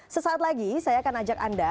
sesaat lagi saya akan ajak anda